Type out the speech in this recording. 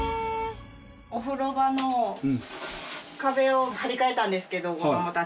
お風呂場の壁を張り替えたんですけど子供たちと私で。